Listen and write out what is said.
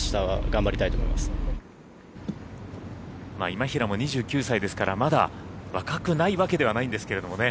今平も２９歳ですからまだ若くないわけではないんですけどね。